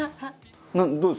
どうです？